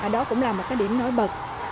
đó cũng là một điểm nổi bật